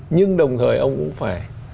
nhưng đồng thời ông cũng phải